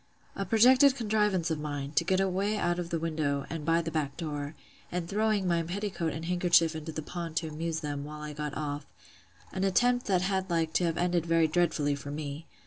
A projected contrivance of mine, to get away out of the window, and by the back door; and throwing by petticoat and handkerchief into the pond to amuse them, while I got off: An attempt that had like to have ended very dreadfully for me!